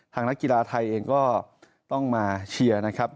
นักกีฬาไทยเองก็ต้องมาเชียร์นะครับ